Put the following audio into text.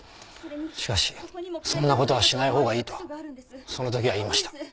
しかしそんな事はしないほうがいいとその時は言いました。